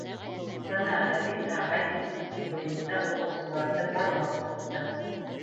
Бына Ғәбит ағай исемлек буйынса уҡыусыларҙы барлап сыҡты.